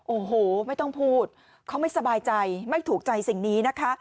โอ้โหไม่ต้องพูดเขาไม่สบายใจไม่ถูกใจสิ่งนี้นะคะ